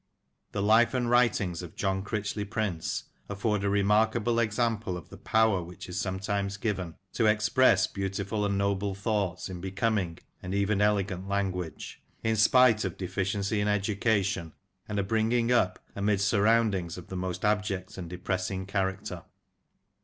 THE life and writings of John Critchley Prince afford a remarkable example of the power which is sometimes given to express beautiful and noble thoughts in becoming and even elegant language, in spite of deficiency in education and a bringing up amidst surroundings of the most abject and depressing character.